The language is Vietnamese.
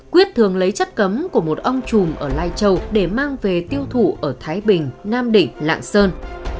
quyết thường lấy chất cấm của một ông chùm ở lai châu để mang về tiêu thụ ở thái bình nam định lạng sơn